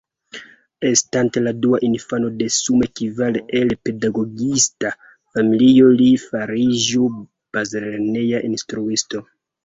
Estante la dua infano de sume kvar el pedagogista familio li fariĝu bazlerneja instruisto.